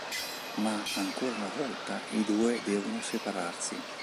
Ma, ancora una volta, i due devono separarsi.